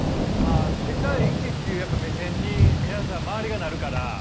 まあ世界一っていうやっぱ目線に皆さん周りがなるから。